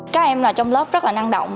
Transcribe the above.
các em trong lớp rất năng động